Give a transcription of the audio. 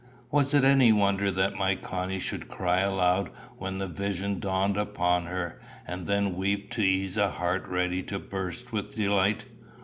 Was it any wonder that my Connie should cry aloud when the vision dawned upon her, and then weep to ease a heart ready to burst with delight?